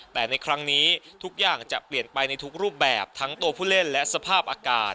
แต่ในครั้งนี้ทุกอย่างจะเปลี่ยนไปในทุกรูปแบบทั้งตัวผู้เล่นและสภาพอากาศ